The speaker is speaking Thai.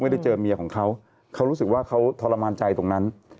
เจอเมียของเขาเขารู้สึกว่าเขาทรมานใจตรงนั้น